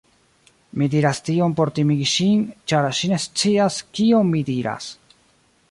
Mi diras tion por timigi ŝin, ĉar ŝi ne scias kion mi diras.